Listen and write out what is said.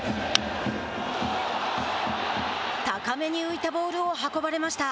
高めに浮いたボールを運ばれました。